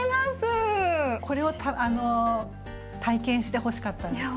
これを体験してほしかったんです。